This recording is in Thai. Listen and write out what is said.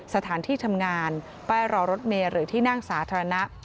สถานที่ทำงานป้ายรอรถเมย์หรือที่นั่งสาธารณะ